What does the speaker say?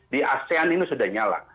di asean ini sudah nyala